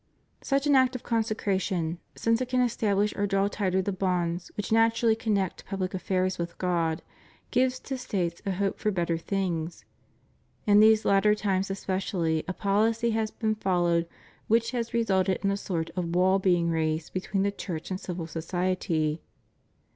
Such an act of consecration, since it can establish or draw tighter the bonds which naturally connect pubhc affairs with God, gives to States a hope for better things. In these latter times especially, a policy has been followed which has resulted in a sort of wall being raised between the Church and civil society.